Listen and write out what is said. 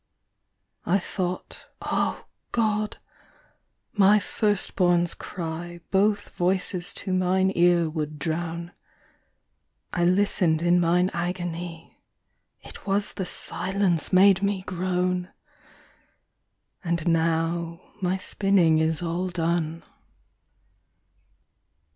I thought, O God! my first born's cry Both voices to mine ear would drown: I listened in mine agony, It was the silence made me groan! And now my spinning is all done.